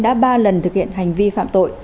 đã ba lần thực hiện hành vi phạm tội